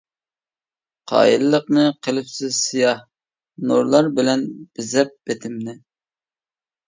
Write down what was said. قايىللىقنى قىلىپسىز سىياھ، نۇرلار بىلەن بېزەپ بېتىمنى.